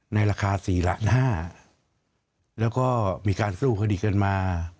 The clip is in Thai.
ในราคา๔๕๐๐แล้วก็มีการสู้คดีกันมา